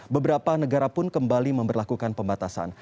beberapa negara pun kembali memperlakukan pembatasan